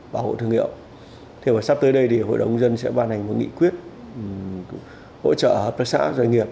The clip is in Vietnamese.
bảo hộ thương hiệu thế và sắp tới đây thì hội đồng dân sẽ ban hành một nghị quyết hỗ trợ hợp tác xã doanh nghiệp